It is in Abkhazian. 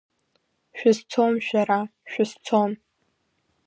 Шәызцом шәара, шәызцом!